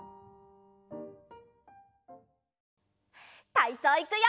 たいそういくよ！